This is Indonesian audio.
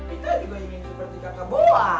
itu juga ingin seperti kakak boa